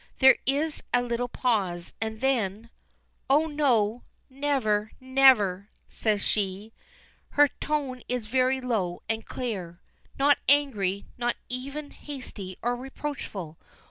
There is a little pause, and then: "Oh, no! Never never!" says she. Her tone is very low and clear not angry, not even hasty or reproachful.